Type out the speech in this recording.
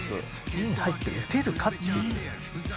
インで入って打てるかっていう。